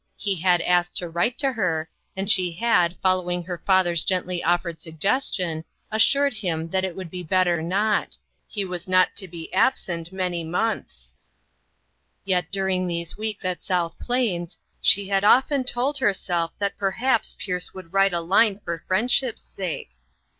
He had asked to write to her, and she had, following her father's gently offered suggestion, assured him that it would be better not ; he was not to be absent many months. 25O INTERRUPTED. Yet during these weeks at South Plains, she had often told herself that perhaps Pierce would write a line for friendship's sake.